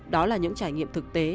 đó là những trải nghiệm thực tế